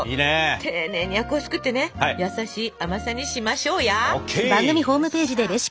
丁寧にあくをすくってね優しい甘さにしましょうや。ＯＫ！